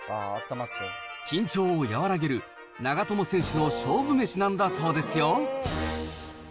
緊張を和らげる長友選手の勝負メシなんだそうですよ。